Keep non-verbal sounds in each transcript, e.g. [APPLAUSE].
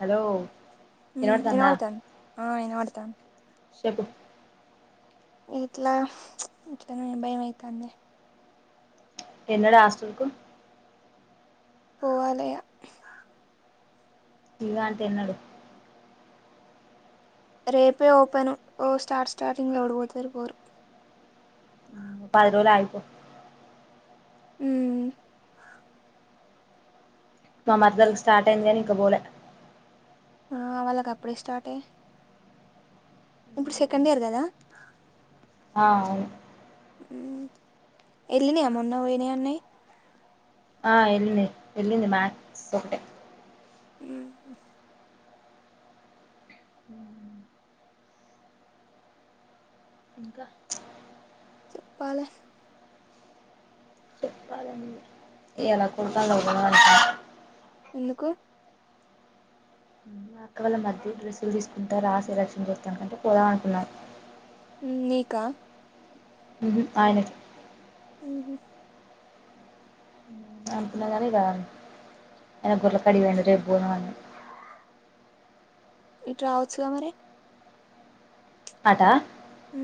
Hello ఉమ్ వినబడుతాందా ఇనపడతాంది ఆ ఇనపడతాంది చెప్పు ఇంట్ల ఇట్లా నే భయం అయితాందే ఎల్లాడా హాస్టల్ కి పోవాలే ఇగ ఇగ తిన్నడు రేపే ఓపెను ఓ స్టార్ట్ స్టార్టింగ్ లో ఏవడుపోతరు పోరు పది రోజులాగితే హ్మ్ మా మరదలకు స్టార్ట్ అయిందిగా ఇంకపోల ఆ వాళ్ళకి అప్పుడే స్టార్ట్ అయి ఇప్పుడు సెకండ్ ఇయర్ కదా ఆ అవును హ్మ్ వెళ్ళినవ మొన్న పోయినాయి అన్ని వెళ్ళినయి వెళ్ళింది మ్యాథ్స్ ఒకటే హ్మ్ ఇంకా. చెప్పాలే. చెప్పాలండి. ఇయాలా గుడు దాకా పోవాలి. ఎందుకు. మా అక్క వాళ్ల మరిది డ్రస్సులు తీసుకుంటా రా శ్రీలక్ష్మి కోస్తా పోద అంటున్నామ్. నీకా. ఉహు ఆయన. ఉహు అనుకున్న గాని ఇక ఆయన గొర్ల కాడికి పోయిన రేపు పోదామని. ఇటు రావచ్చు గా మరి. అటా. ఉ.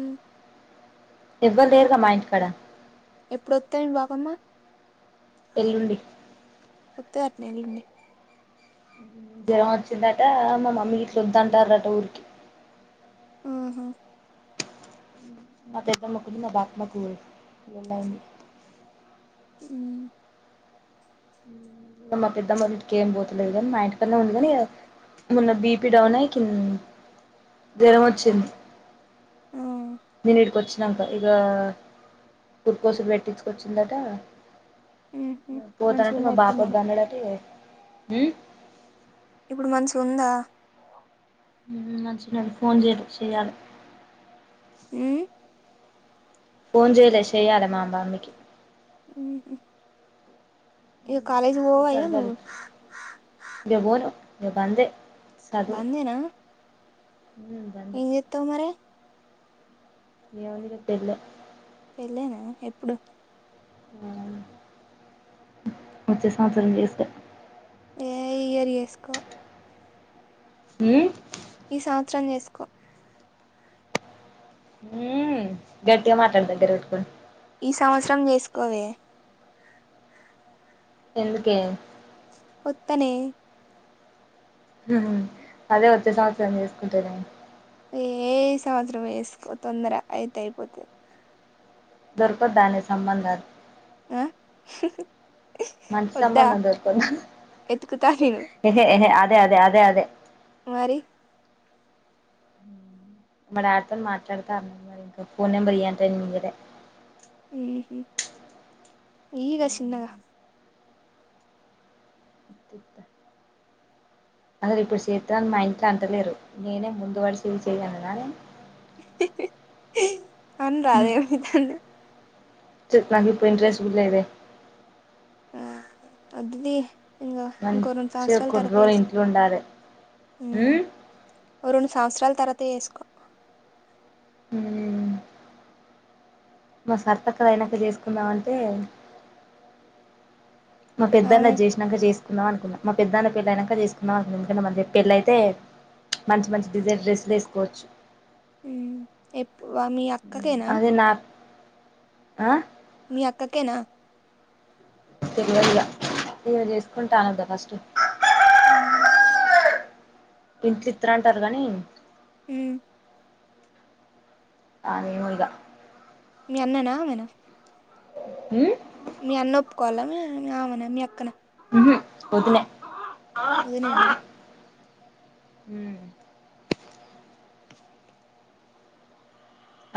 ఎవ్వరు లేరుగా మా ఇంటికాడ. ఎప్పుడు వస్తది బాపమ్మ. ఎల్లుండి. కొత్త కట్టినయ్ నిన్నే. జ్వరం వచ్చిందట మా మమ్మీ ఇట్ల వద్దుంటారట ఊరికి. ఊహు. మా పెద్దమ్మకు మా బాపమ్మకు లొల్లియింది. ఊ. మా పెద్దమ్ మళ్ళ ఇకే ఏ పోతలేదు కానీ మా ఇంటి పనే ఉంది కానీ. మొన్న బీపి డౌన్ అయ్య కిన్ జ్వరం వచ్చింది. ఆ. నేను ఇడికి వచ్చాక ఇక కుర్కోసలు పెట్టించుకొచ్చిందట. ఉహు పోతానంటే మంచిగుందా మా ఇప్పుడు బాప మరి దన్నడు అంటే ఉ. ఇప్పుడు మంచిగా ఉందా. నంచినడి ఫోన్ చేయ చెయాలి. ఉమ్ ఫోన్ చేయలే చేయాల మ భావనకి. ఉహు ఇగ కాలేజ్ పోవా ఇగ సరే సరే నువ్వు ఇగవోను ఇగ బందే. సదు. బందేనా ఏం చేస్తావ్ మరి. ఏమైంది రేపు పెళ్లి. పెళ్ళనా ఎప్పుడు. హా వచ్చే సంవత్సరం చేసుక.. ఏ ఇయర్ చేసుకో. హు. ఈ సంవత్సరం చేసుకో. హు గట్టిగా మాట్లాడతారు దగర పెట్టుకొని. ఈ సంవత్సరం చేసుకోవే. ఎందుకే. ఒత్తనే. ఉమ్ అదే వచ్చే సంవత్సరం చేసుకుంటనే. ఏ ఈ సంవత్సరం వేసుకో తొందర అయితే అయిపోతది. దొరకద్ధానే సంబంధాలు, ఆ ఉహు మంచి వద్ద సంబంధం వెతుకుత నేను అహే అహే అదే అదే అదే అదే మరి మా డాడీతోని మాట్లాడతా అన్నారు. ఫోన్ నెంబర్ ఇయమంటే నేను ఇయ్యలే ఉహూ ఇయ్యిఇగ చిన్నగా ఇంత అసలు ఇప్పుడు చేస్తా అని మా ఇంట్లో అంటాలెరు. నేనే ముందు వాడి చెయ్ చెయ్ అనాలనే ఆ అనరాదు ఏమైతాంది. చెప్పాలంటే ఇప్పుడు ఇంట్రెస్ట్ కూడా లేదే ఆ వద్దులే ఈగ ఇంకో రెండు మంచిగా సంవత్సరాల కొన్ని తర్వాత రోజులు చేసుకో ఇంట్లో ఉండాలే ఓ రెండు సంవత్సాల తర్వాత చేసుకో ఉహూ మా సరితక్కది అయినాక చేసుకుందమ అంటే మా పెద్ద ఆమె అన్నది చేసినక చేసుకుందాం అనుకున్న మా పెద్దన్న పెళ్ళ అయినాక చేసుకుందాం అనుకున్న ఎందుంటే మన [UNINTELLIGIBLE] చె పెళ్ల అయితే మంచి మంచి డిజైన్ డ్రెస్సులు వేసుకోవచ్చు. ఉమ్ ఎప్పు మీ అక్కకేనా అది నా ఆ మీ అక్కకేనా తెల్వదిగా ఈమె చేసుకుంటా అన్నదా ఫస్ట్ ఉమ్ ఇంట్ల ఈత్ర అంటరు గానీ ఉమ్ అడేముందో మీ అన్ననా ఆమెనా ఉహూమ్ మీ అన్న ఒప్పుకోవాలా మీ ఆమన మీ అక్కన ఉహు వదినే వదినేనా ఉమ్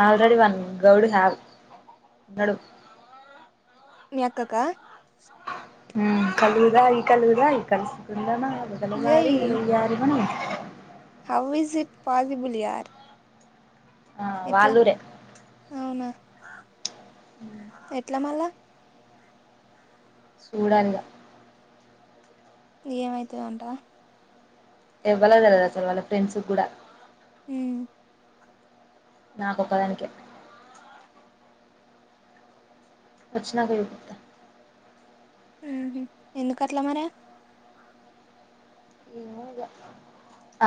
ఆల్రెడీ వన్ గౌడ్ [UNINTELLIGIBLE] హావ్ ఉన్నడు. మీ అక్కకా హ్మ్మ్ కల్లుతాగి కళ్ళుతాగి కలుసుకుందామా వాగాల జై మారి వయ్యారి [UNINTELLIGIBLE] హావ్ ఇస్ ఇట్ పాజిబుల్ యార్ ఆ ఎట్లా వాళ్ళూరే అవునా ఎట్లా మల్ల సుదలిగా ఏమైతది అంటావా. ఎవ్వలకి తెలవదు అసలు, వాళ్ళ ఫ్రెండ్స్ కి కూడా ఉమ్ నాకొక్కదానికే వచ్చినంక చూపిస్తా ఉహు ఎందుకు అట్లామరి ఏమో ఇగ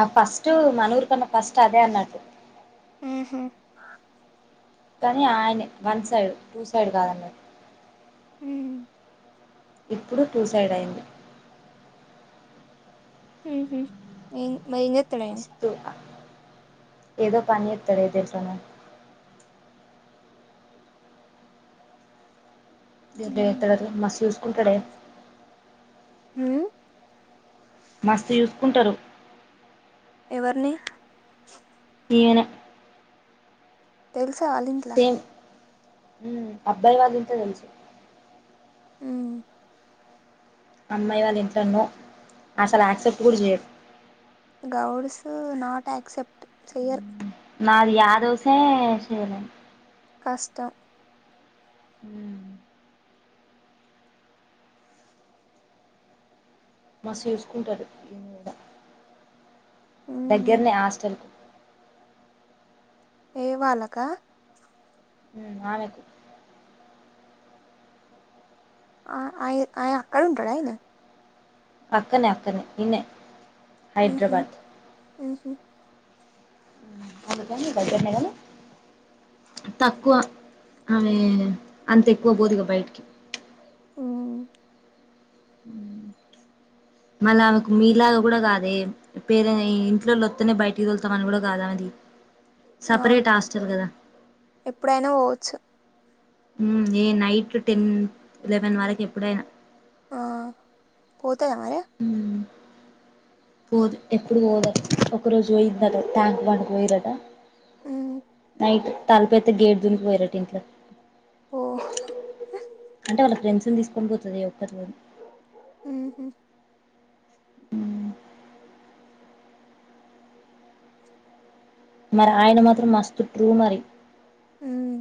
ఆ ఫస్ట్ మన ఊరి కన్నా ఫస్ట్ అదే అన్నాట్టు ఉహూ కనీ ఆయనే వన్ సైడ్ టూ సైడ్ కాదన్నట్టు ఊ ఇప్పుడు టూ సైడ్ అయింది ఉహూ ఏ మైన మస్తు ఆ ఏదో పని చెత్తడే ఎదెంట్లనొ దెంట్ల మ్మ్ చేతడు మస్త్ చూసుకుంటాడే ఊ మస్తు చూసుకుంటడు ఎవర్ని ఈయనే తెల్స అలింగ్ తేమ్ ఉ అబ్బాయి వాళ్ళ ఇంట్ల తెలుసు హ్మ్ అమ్మాయి వాళ్ళ ఇంట్లో నో అసలు యాక్సెప్ట్ కూడా చేయరు గౌడ్స్ నాట్ ఆక్సెప్ట్ చేయరు నాది యాదూసే చెలే కష్టం హ్మ్ మస్తు చూసుకుంటారు మ్హు దగ్గర్నే హాస్టల్ ఏ వాలక హు వాల్ ఆ అయ్ అయ అక్కడ ఉంటాడ ఆయన అక్కనే అక్కనే ఈన్నె ఉహు హైదరాబాద్ ఉహు అందుకా మీకు దగ్గర్నే కదా తక్కువ ఆమె అంత ఎక్కువ బోదిగా బయటికి హ్మ్ మళ్ళామెకు మీలాగ గుడా కాదే పేర ఇంట్లోలొత్తనే బయటికి దొలుతాం అని కూడా గాదా ఆమె ఆ సపరేట్ హాస్టల్ కదా ఎప్పుడైనా పోవచ్చు ఉ ఏ నైట్ టెన్ ఎలెవెన్ వరకు ఎప్పుడైనా ఆ పోతద మరి పోదు ఎప్పుడు పోలే ఒకరోజు పోయిందట ట్యాంక్ బండ్ కు పోయిందట ఊ నైట్ తలుపు ఎత్తె గేట్ దుకి పోయిరంట ఇంట్లో ఓ అంటే వాళ్ళ ఫ్రెండ్స్ని తీసుకొని పోతుది ఒక్కతే ఊహు మరి ఆయన మాత్రం మస్తు ట్రూ మరి మ్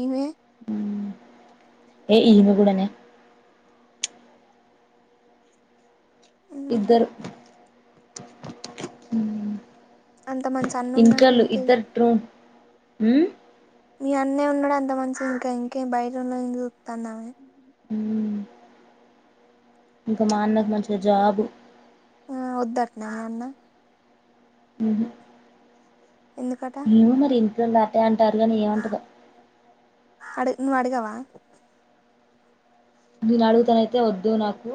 ఈమే ఏ ఇమె గుడానే ఉహు ఇద్దరు అంత మంచి అన్న ఇంట్లో ఉన్నాంక లో ఇంకే ఇద్దరు ట్రూ ఉ మీ అన్నేఉన్నడు అంత మంచి ఇంకా ఇంకేం బయటన్న ఏం జుతాన్నా ఇంక మా అన్నకు మంచిగా జాబు ఆ వొద్దటనా అన్న ఊహు ఎందుకట నువ్వు మరి ఇంట్లోళ్ళు అటే అంటారు కానీ ఏ అంటందో అడు నువ్వు అడగవా నేను అడుగుతాను అయితే వొద్దు నాకు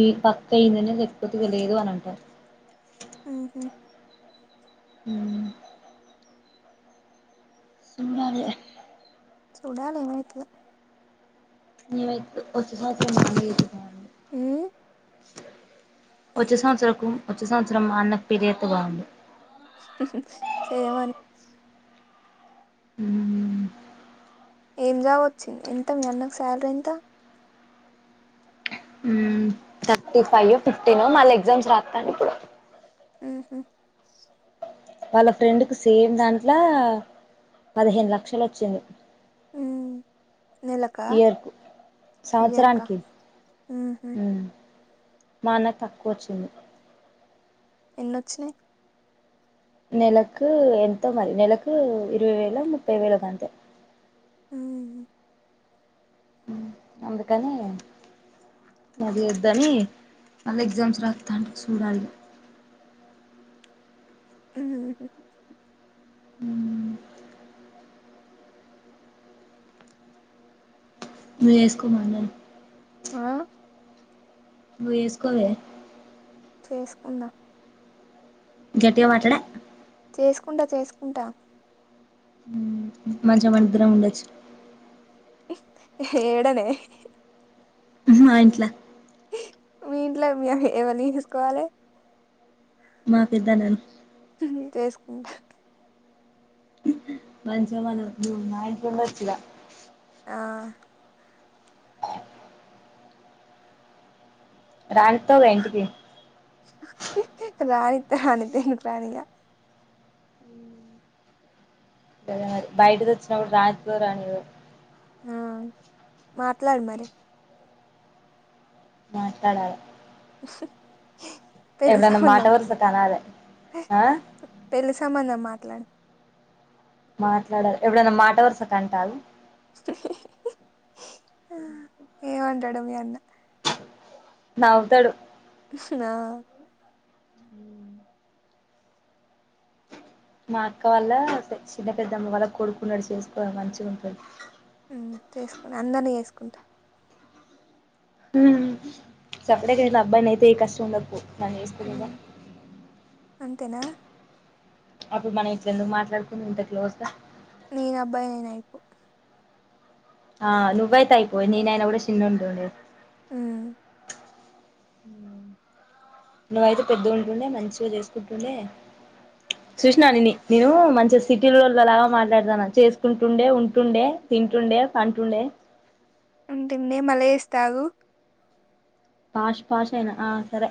ఈ పక్క అయ్యిందనే చెరిపోతే తెలియదు అని అంటారు ఊహూ ఊ సూడాలె చూడాలి ఏమైతదో ఇవైత్ వచ్చే సంవత్సరం [INAUDIBLE] ఊ వచ్చే సంవత్సరకు వచ్చ సంవత్సరం అన్నకు పెళ్ళి చేత్తే బావుండు చెయ్యమను ఊ ఏం జాబొచ్చింది ఎంత మీ అన్నకు శాలరీ ఎంత ఊ థర్టీ ఫై య్యో ఫిఫ్టీనో మళ్ళీ ఎగ్జామ్స్ రాత్తాను ఇప్పుడు ఊహూ వాళ్ళ ఫ్రెండ్ కు సేమ్ దాంట్ల పదిహేను లక్షలు వచ్చింది ఊ నెలకా ఇయర్ కు ఇయర్ కా సంవత్సరానికి ఊహు ఊ మా అన్నకు తక్కువొచ్చింది ఎన్నొచ్చినాయి నెలకు ఎంతో మరి నెలకు ఇరవై వేలో ముప్పై వేలకు అంతే ఊ ఉ అందుకని అది వద్దని మళ్ళా ఎగ్జామ్స్ రాత్తాండు సూడాలి ఊహూ ఊ వేస్కోమను ఆ వేస్కో వే చేసుకుందా గెట్టిగా మాట్లాడే చేసుకుంటా చేసుకుంటా మంచిగా మనం ఇద్దరం ఉండచ్చు హేడనే ఊహూ మా ఇంట్ల మీ ఇంట్లో మీ [UNINTELLIGIBLE] ఏవర్ని చూసుకోవాలి మా పెద్దన్నను చేసుకుంటా మంచిగా మనం నువ్వు మా ఇంట్లో ఉండచ్చు గా ఆ రానిత్తావుగా ఇంటికి రానితే రానిత ఎందుకు రానీయ బయటకి వచ్చినప్పుడు రానితదో రానియదో ఆ మాట్లాడు మరి మాట్లాడాల పెళ్ళి ఎప్పుడన్నా మాట సంబంధం వరుసకు అనాలే ఆ పెళ్లి సంబంధం మాట్లాడు మాట్లాడాలి ఎప్పుడన్నా మాట వరుసక అంట అగు ఏమంటాడో మీ అన్న నవుతడు నా మా అక్క వల్ల చిన్న పెద్దమ్మ వాల్ళ కొడుకున్నడు చేసుకోవాల మంచిగా ఉంటడు ఊ చేసుకోని అందరినీ చేసుకుంట ఊ సప్పడేక నేన్ అబ్బాయిని అయితే ఈ కష్టం ఉండక పోవు నన్ను చూసుకుందువుగా ఉమ్ అంతేనా అప్పుడు మనం ఇట్ల ఎందుకు మాట్లాడుకుందుం ఇంత క్లోజ్ గా నేను అబ్బాయి ఐన అయిపోవు ఆ నువ్వైయితయిపోవే నీ అయిన అ కూడా చిన్నగుంటుండే ఊ నువ్వయితే పెద్ద ఉంటుండే మంచిగా చేసుకుంటుండే చూసినానిన్ని నేను మంచిగా సిటీలోలలాగా మాట్లాడుతాన చేసుకుంటుండే ఉంటుండే తింటుండే పంటుండే ఉంటుందే నె మల ఏస్తా ఆగు పాష్ పాష్ అయినా ఆ సరే